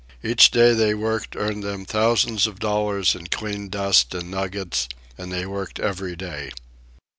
Each day they worked earned them thousands of dollars in clean dust and nuggets, and they worked every day.